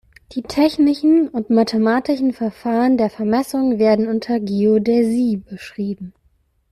Die technischen und mathematischen Verfahren der Vermessung werden unter Geodäsie beschrieben.